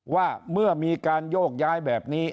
ว่าเมื่อมีการโยกย้ายแบบนี้